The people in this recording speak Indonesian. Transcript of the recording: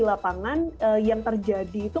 lapangan yang terjadi itu